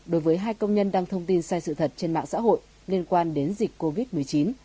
đối với hai công nhân đăng thông tin sai sự thật trên mạng xã hội liên quan đến dịch covid một mươi chín